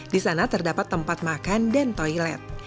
di sana terdapat tempat makan dan toilet